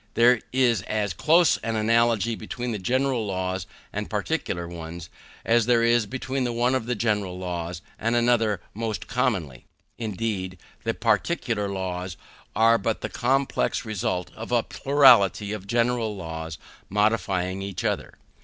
There is as close an analogy between the general laws and the particular ones, as there is between one of the general laws and another: most commonly, indeed, the particular laws are but the complex result of a plurality of general laws modifying each other.